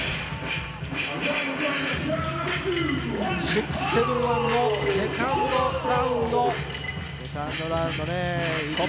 ６７１のセカンドラウンド。